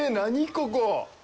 ここ。